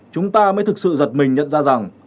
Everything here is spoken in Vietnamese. chúng ta mới thực sự giật mình nhận ra rằng